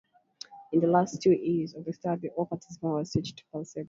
In the last two years of the study, all participants were switched to placebo.